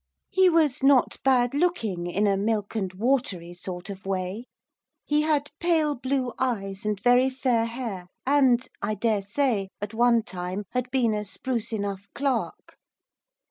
He was not bad looking, in a milk and watery sort of way. He had pale blue eyes and very fair hair, and, I daresay, at one time, had been a spruce enough clerk.